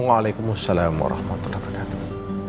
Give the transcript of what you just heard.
waalaikumsalam warahmatullahi wabarakatuh